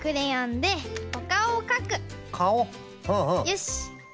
よし。